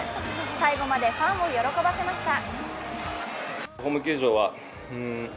最後までファンを喜ばせました。